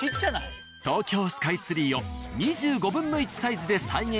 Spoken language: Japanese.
東京スカイツリーを２５分の１サイズで再現したジオラマ。